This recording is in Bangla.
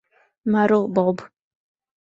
মারো, বব।